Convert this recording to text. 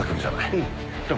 うん。